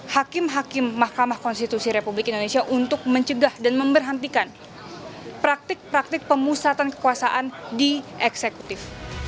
hakim hakim mk untuk mencegah dan memberhentikan praktik praktik pemusatan kekuasaan di eksekutif